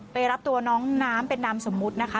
ไปรับตัวน้องน้ำเป็นนามสมมุตินะคะ